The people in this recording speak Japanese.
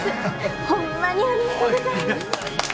ホンマにありがとうございます！